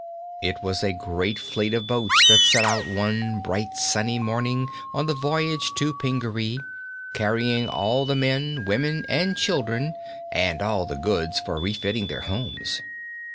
It was a great fleet of boats that set out one bright, sunny morning on the voyage to Pingaree, carrying all the men, women and children and all the goods for refitting their homes.